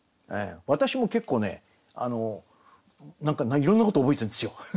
私も結構ね何かいろんなこと覚えてるんですよ。